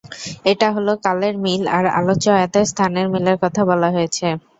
এটা হলো কালের মিল আর আলোচ্য আয়াতে স্থানের মিলের কথা বলা হয়েছে।